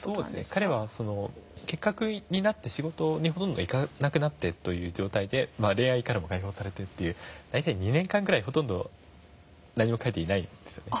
彼は結核になって仕事にほとんど行かなくなってという状態で恋愛からも解放されてという大体２年間ぐらいほとんど何も書いていないんですよね。